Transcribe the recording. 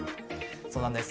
そうなんです。